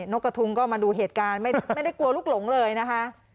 กระทุงก็มาดูเหตุการณ์ไม่ได้กลัวลูกหลงเลยนะคะ